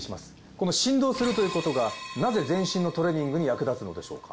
この振動するということがなぜ全身のトレーニングに役立つのでしょうか？